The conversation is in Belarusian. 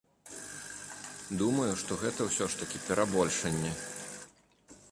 Думаю, што гэта ўсё ж такі перабольшанне.